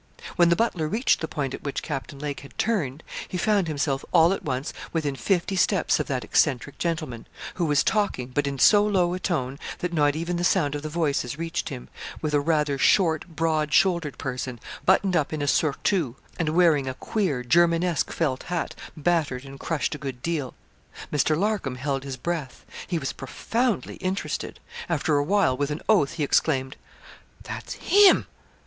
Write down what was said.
When the butler reached the point at which Captain Lake had turned, he found himself all at once within fifty steps of that eccentric gentleman, who was talking, but in so low a tone, that not even the sound of the voices reached him, with a rather short, broad shouldered person, buttoned up in a surtout, and wearing a queer, Germanesque, felt hat, battered and crushed a good deal. Mr. Larcom held his breath. He was profoundly interested. After a while, with an oath, he exclaimed 'That's _him!